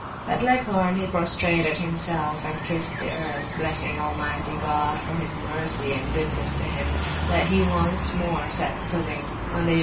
At Leghorn he prostrated himself, and kissed the earth, blessing Almighty God, for his mercy and goodness to him, that he once more set footing on the [p.